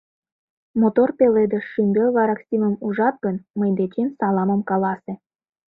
— Мотор пеледыш, шӱмбел вараксимым ужат гын, мый дечем саламым каласе!